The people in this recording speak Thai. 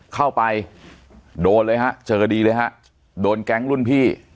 เข้าไปโดนเลยฮะเจอดีเลยฮะโดนแก๊งรุ่นพี่